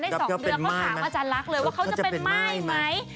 ๒เดือนเขาถามอาจารย์ลักษณ์เลยว่าเขาจะเป็นม่ายไหม